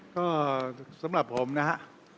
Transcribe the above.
ก็สำหรับผมนะฮะ